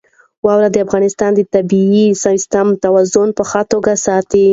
واوره د افغانستان د طبعي سیسټم توازن په ښه توګه ساتي.